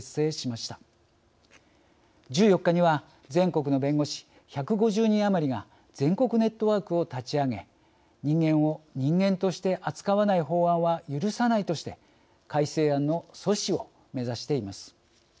１４日には全国の弁護士１５０人余りが全国ネットワークを立ち上げ人間を人間として扱わない法案は許さないとして改正案の阻止を目指しています。